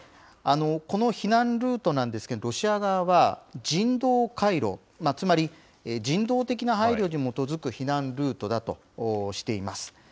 この避難ルートなんですけれども、ロシア側は人道回廊、つまり人道的な配慮に基づく避難ルートだとしています。